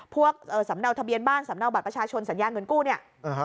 พวกสำเนาทะเบียนบ้านสำเนาบัตรประชาชนสัญญาเงินกู้เนี่ย